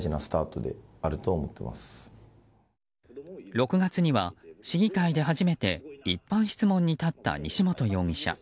６月には市議会で初めて一般質問に立った西本容疑者。